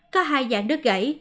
có hai dạng đứt gãy